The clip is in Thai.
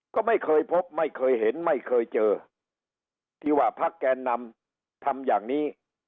ก็ไม่เคยพบไม่เคยเห็นไม่เคยเจอที่ว่าพักแกนนำทำอย่างนี้